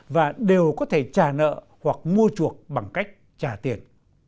và đều có thể trả nợ hoặc mua chuộc bằng cách trả tiền